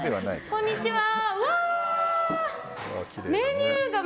こんにちは。